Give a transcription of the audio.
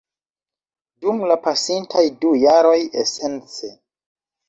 Dum la pasintaj du jaroj, esence